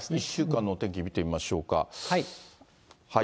１週間のお天気見てみましょうか。